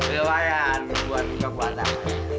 lumayan buat buat apaan